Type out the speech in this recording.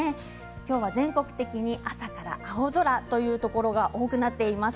今日は全国的に朝から青空というところが多くなっています。